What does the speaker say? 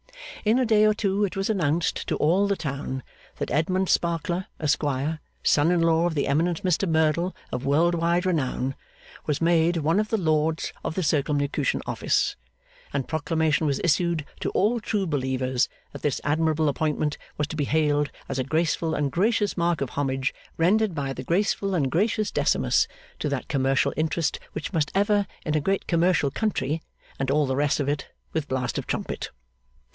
In a day or two it was announced to all the town, that Edmund Sparkler, Esquire, son in law of the eminent Mr Merdle of worldwide renown, was made one of the Lords of the Circumlocution Office; and proclamation was issued, to all true believers, that this admirable appointment was to be hailed as a graceful and gracious mark of homage, rendered by the graceful and gracious Decimus, to that commercial interest which must ever in a great commercial country and all the rest of it, with blast of trumpet.